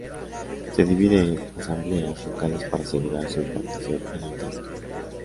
Se divide en Asambleas Locales para asegurar su implantación en el territorio.